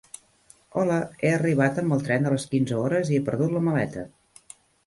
Hola, he arribat amb el tren de les quinze hores i he perdut la maleta.